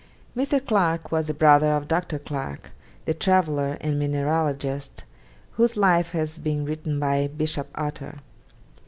Mr. Clarke was the brother of Dr. Clarke, the traveller and mineralogist, whose life has been written by Bishop Otter.